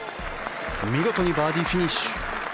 見事にバーディーフィニッシュ。